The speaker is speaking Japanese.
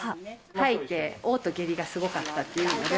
吐いて、おう吐、下痢がすごかったっていうので。